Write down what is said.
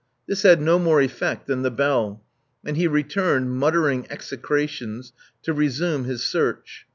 This had no more effect than the bell; and he returned, muttering execrations, to resume his search.